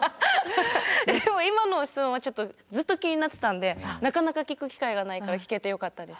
でも今の質問はちょっとずっと気になってたんでなかなか聞く機会がないから聞けてよかったです。